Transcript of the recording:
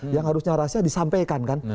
yang harusnya rahasia disampaikan kan